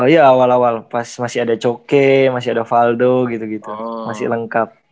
ya awal awal pas masih ada coki masih ada faldo gitu gitu masih lengkap